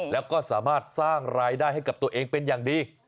แล้วก็สามารถสร้างรายได้ให้กับตัวเองเป็นอย่างดี